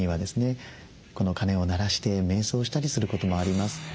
この鐘を鳴らしてめい想したりすることもあります。